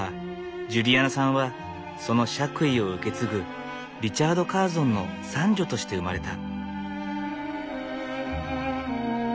ジュリアナさんはその爵位を受け継ぐリチャード・カーゾンの三女として生まれた。